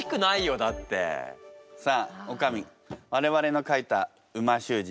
さあおかみ我々の書いた美味しゅう字